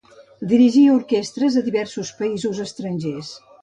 Dirigí orquestres a diversos països estrangers.